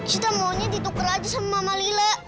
sita maunya ditukar aja sama mama lila